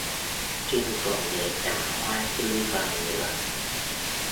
Trinh còn để cả hoa tươi vào nữa